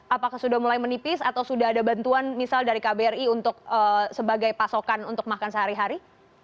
apakah sudah mulai menipis atau sudah ada bantuan misal dari kbri untuk sebagai pasokan untuk makan sehari hari